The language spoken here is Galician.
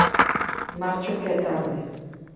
Marcho que é tarde